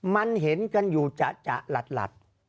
มันเห็นกันอยู่จะจะหลัดหลัด